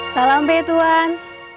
salam be tuan